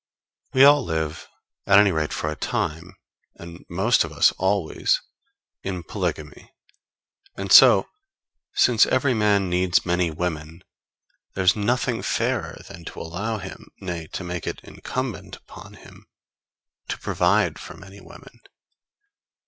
We all live, at any rate, for a time, and most of us, always, in polygamy. And so, since every man needs many women, there is nothing fairer than to allow him, nay, to make it incumbent upon him, to provide for many women.